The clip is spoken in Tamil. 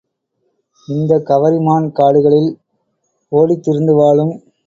இந்த கவரிமான் காடுகளில் ஓடித் திரிந்து வாழும்.